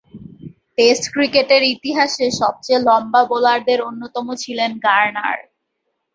Test cricket ইতিহাসের সবচেয়ে লম্বা বোলারদের অন্যতম ছিলেন গার্নার।